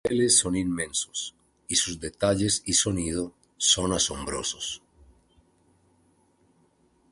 Los niveles son inmensos y sus detalles y sonido son asombrosos.